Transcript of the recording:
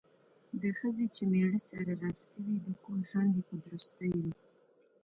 د ښځې چې میړه سره راستي وي ،د کور ژوند یې په درستي وي.